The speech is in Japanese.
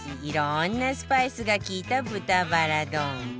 いろんなスパイスが利いた豚バラ丼